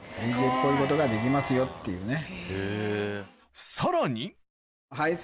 ＤＪっぽいことができますよっていうね。